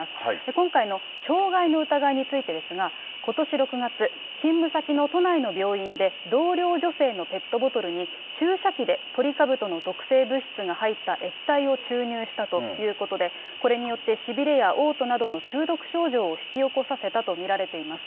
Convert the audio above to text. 今回の傷害の疑いについてですが、ことし６月、勤務先の都内の病院で、同僚女性のペットボトルに、注射器でトリカブトの毒性物質が入った液体を注入したということで、これによって、しびれやおう吐などの中毒症状を引き起こさせたと見られています。